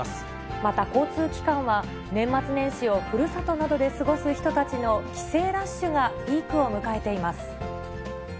また交通機関は、年末年始をふるさとなどで過ごす人たちの帰省ラッシュがピークを迎えています。